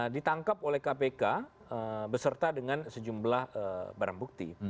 ditangkap oleh kpk beserta dengan sejumlah barang bukti